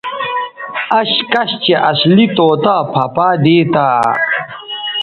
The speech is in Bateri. اش کش چہء اصلی طوطا پھہ پائ دیتہ